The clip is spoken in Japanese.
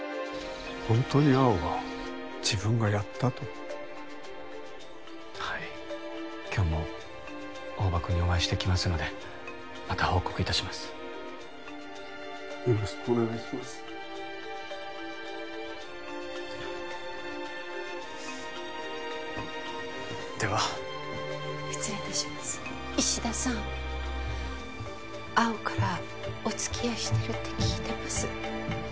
本当に蒼生は「自分がやった」とはい今日も大庭君にお会いしてきますのでまた報告いたしますよろしくお願いしますでは失礼いたします石田さん蒼生からおつきあいしてるって聞いてます